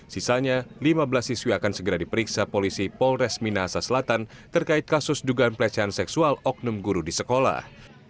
sisanya lima belas siswi akan segera diperiksa polisi polres minahasa selatan terkait kasus dugaan pelecehan seksual oknum guru di sekolah